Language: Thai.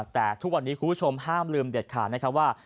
แต่ทุกวันนี้คุณผู้ชมห้ามลืมเด็ดขาดนะครับว่า